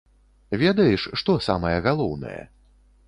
Ведаеш, што самае галоўнае?